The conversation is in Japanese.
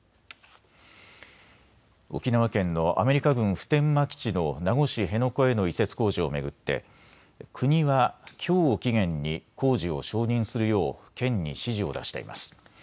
沖縄県のアメリカ軍普天間基地の名護市辺野古への移設工事を巡って国はきょうを期限に工事を承認するよう県に指示を出しています。